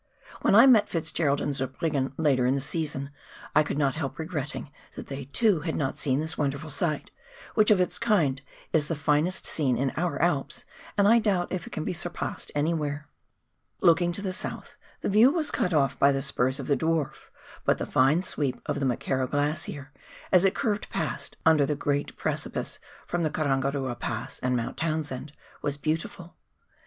When I met FitzGerald and Zurbriggen later in the season I could not help regretting that they too had not seen this wonderful sight, which of its kind is the finest scene in our Alps, and I doubt if it can be surpassed anywhere. TWAIN RIVER. 237 Looking to the south the view was cut off by the spurs of the Dwarf, but the fine sweep of the McKerrow Glacier, as it curved past under the great precipice from the Karangarua Pass and Mount Townsend, was beautiful.